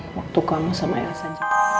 waktu kamu sama yasen